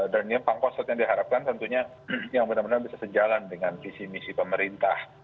dan pangkostrat yang diharapkan tentunya yang benar benar bisa sejalan dengan visi misi pemerintah